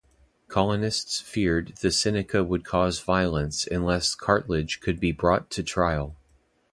Colonists feared the Seneca would cause violence unless Cartledge could be brought to trial.